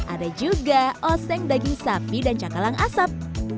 ada juga oseng daging sapi dan cakalang asap